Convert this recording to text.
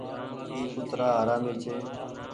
اي ڪُترآ حرامي ڇي